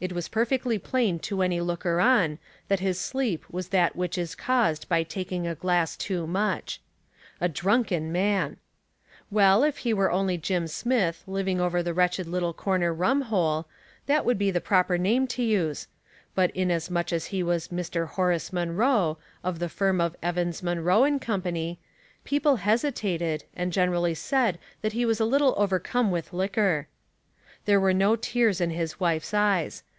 It was perfectly plain to any looker on that his sleep was that which is caused by taking a glass too much. A drunken man ! Well, if he were only Jim Smith, living over the wretched little corner rum hole, that would be the proper name to use ; but inasmuch as he was Mr. Horace Munroe, of the firm of Evans, Munroe & Co., people hesitated, and gen erailj' said that he was a little overcome with A Protector. 253 liquor. There were no tears in his wife's eyes.